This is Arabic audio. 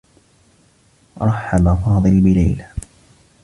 رحّب فاضل بليلى.